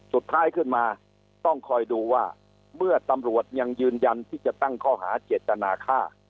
สุดท้ายขึ้นมาต้องคอยดูว่าเมื่อตำรวจยังยืนยันที่จะตั้งข้อหาเจตนาฆ่า